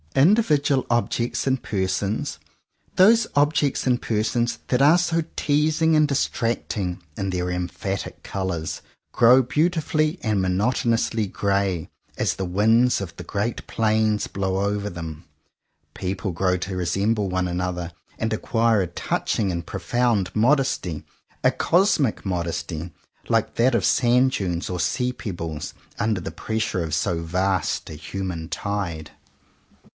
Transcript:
Individual objects and persons, those objects and persons that are so teasing and distracting in their emphatic colours, grow beautifully and monotonously grey as the winds of the great plains blow upon them. People grow to resemble one another and acquire a touching and profound modesty, a cosmic modesty, like that of sand dunes or sea pebbles, under the pressure of so vast a human tide.